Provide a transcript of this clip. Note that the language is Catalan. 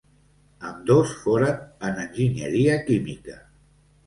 Ambdós foren en enginyeria química.